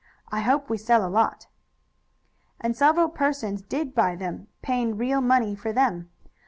"I hope we sell a lot." And several persons did buy them, paying real money for them.